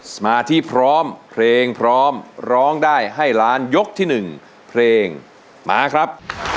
สมาธิพร้อมเพลงพร้อมร้องได้ให้ล้านยกที่๑เพลงมาครับ